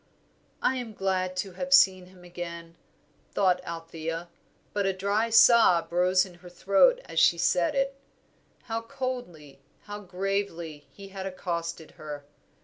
"I am glad to have seen him again," thought Althea; but a dry sob rose in her throat as she said it. How coldly, how gravely he had accosted her!